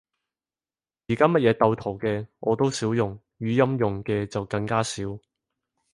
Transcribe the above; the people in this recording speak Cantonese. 而家乜嘢鬥圖嘅，我都少用，語音用嘅就更加少